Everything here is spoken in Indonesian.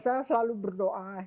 saya selalu berdoa